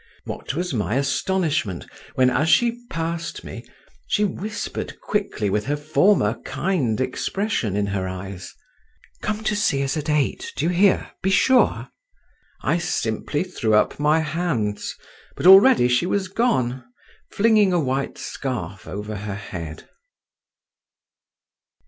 What was my astonishment, when, as she passed me, she whispered quickly with her former kind expression in her eyes: "Come to see us at eight, do you hear, be sure…." I simply threw up my hands, but already she was gone, flinging a white scarf over her head.